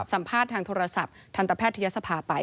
สัมภาษณ์ทางโทรศัพท์ทันตแพทยศภาไป